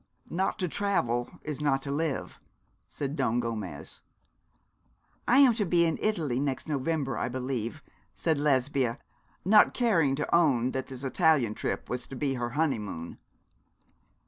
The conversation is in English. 'Not to travel is not to live,' said Don Gomez. 'I am to be in Italy next November, I believe,' said Lesbia, not caring to own that this Italian trip was to be her honeymoon.